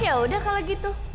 ya udah kalau gitu